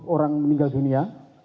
orang meninggal dunia